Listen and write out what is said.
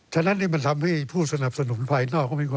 ฉะนั้นคงมีความคิดว่าถ้าผู้สนับสนุมภายนอกเลยไม่ได้